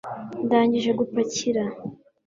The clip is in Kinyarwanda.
ndangije gupakira